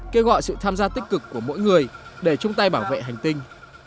kêu gọi sự tham gia tích cực của mỗi người để chúng ta bảo vệ hành tinh